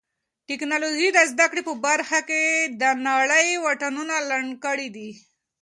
ټیکنالوژي د زده کړې په برخه کې د نړۍ واټنونه لنډ کړي دي.